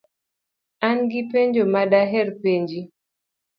An gi penjo ma daher penji.